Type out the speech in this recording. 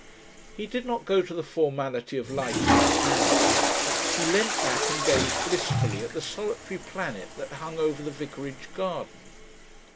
He did not go to the formality of lighting the candle. He leant back and gazed blissfully at the solitary planet that hung over the vicarage garden.